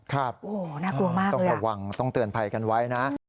ครับต้องระวังต้องเตือนภัยกันไว้นะ